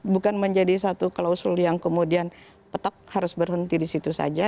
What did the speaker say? bukan menjadi satu klausul yang kemudian petok harus berhenti di situ saja